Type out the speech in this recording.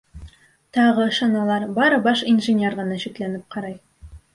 Тағы ышаналар, бары баш инженер генә шикләнеп ҡарай.